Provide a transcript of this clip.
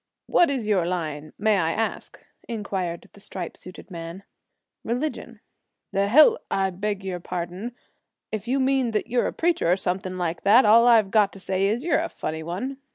'What is your line, may I ask?' inquired the stripe suited man. 'Religion.' 'The hell I beg your pardon. If you mean that you're a preacher or something like that, all I've got to say is, you're a funny one.